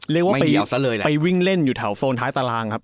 เรียกว่าไปวิ่งเล่นอยู่แถวโซนท้ายตารางครับ